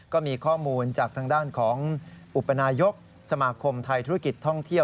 ก็มีข้อมูลจากทางด้านของอุปนายกสมาคมไทยธุรกิจท่องเที่ยว